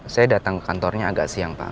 saya datang ke kantornya agak siang pak